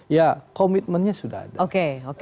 ya komitmennya sudah ada